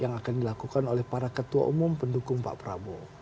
yang akan dilakukan oleh para ketua umum pendukung pak prabowo